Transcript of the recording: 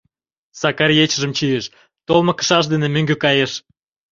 Сакар ечыжым чийыш, толмо кышаж дене мӧҥгӧ кайыш...